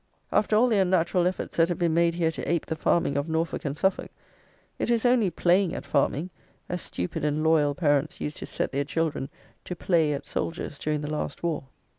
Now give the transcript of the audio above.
After all the unnatural efforts that have been made here to ape the farming of Norfolk and Suffolk, it is only playing at farming, as stupid and "loyal" parents used to set their children to play at soldiers during the last war.